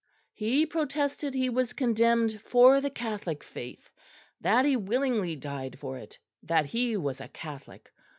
He protested he was condemned for the Catholic Faith; that he willingly died for it; that he was a Catholic.